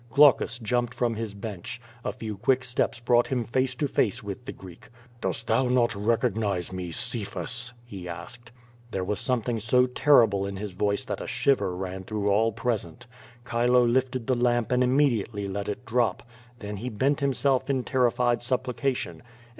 Glaucus jumped from his bench. A few quick steps brought him face to face with the Greek. "Dost thou not recognize me, Cei^has?'^ he asked. There was something so terrible in his voice that a shiver ran through all present. Chile lifted the lamp and immedi ately let it drop. Then he bent himself in terrified supplica tion.